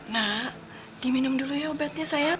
nak di minum dulu ya obatnya sayang